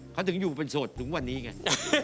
เขาถึงอยู่เป็นโสดถึงวันนี้ไง